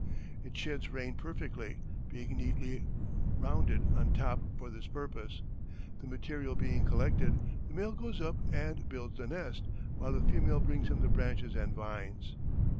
It sheds rain perfectly, being neatly rounded on top for this purpose. The material being collected, the male goes up and builds the nest, while the female brings him the branches and vines."